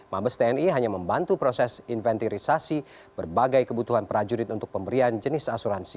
mabes tni hanya membantu proses inventirisasi berbagai kebutuhan prajurit untuk pemberian jenis asuransi